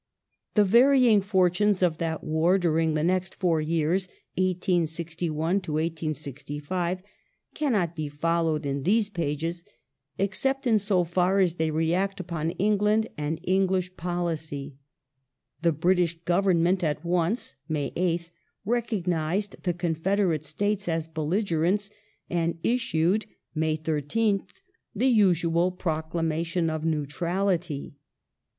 The varying fortunes of that war during the next four years (1861 1865) cannot be followed in these pages, except in so far as they react upon England and Eng lish policy. The British Government at once (May 8th) recognized the Confederate States as belligerents and issued (May 13th) the usual proclamation of neutrality.